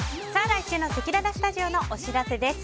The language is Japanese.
来週のせきららスタジオのお知らせです。